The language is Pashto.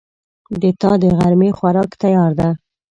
د تا دغرمې خوراک تیار ده